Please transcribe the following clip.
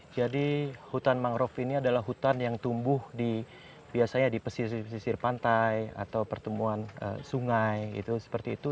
jadi hutan mangrove ini adalah hutan yang tumbuh di biasanya di pesisir pesisir pantai atau pertemuan sungai gitu seperti itu